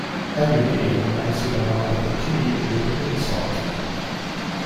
Aluminium may sit on either the "T" or the "B" site.